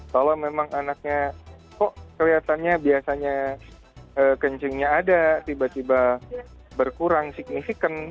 kalau memang anaknya kok kelihatannya biasanya kencingnya ada tiba tiba berkurang signifikan